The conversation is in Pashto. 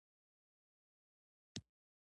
د لوګر په برکي برک کې د مسو نښې شته.